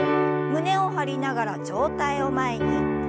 胸を張りながら上体を前に。